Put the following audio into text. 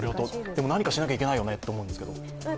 でも何かしなきゃいけないよねと思うんですけど。